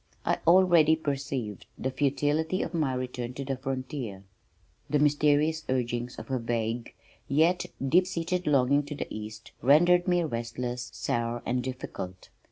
I already perceived the futility of my return to the frontier. The mysterious urgings of a vague yet deep seated longing to go east rendered me restless, sour and difficult.